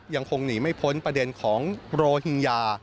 ยังคงหนีไม่พ้นประเด็นของโรฮิงญา